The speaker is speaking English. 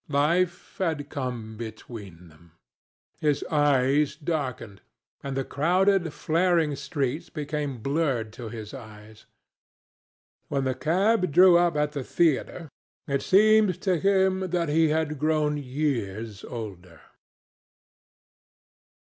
Life had come between them.... His eyes darkened, and the crowded flaring streets became blurred to his eyes. When the cab drew up at the theatre, it seemed to him that he had grown years older.